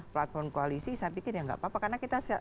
platform koalisi saya pikir ya nggak apa apa karena kita